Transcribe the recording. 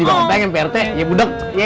aku pengen pak rete ya budek